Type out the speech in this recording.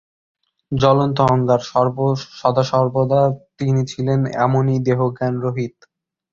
জ্বলন্ত অঙ্গার! সদাসর্বদা তিনি ছিলেন এমনই দেহজ্ঞান-রহিত।